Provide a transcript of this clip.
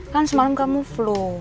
kan semalam kamu flu